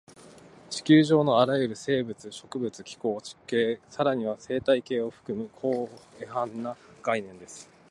地球上のあらゆる生物、植物、気候、地形、さらには生態系を含む広範な概念です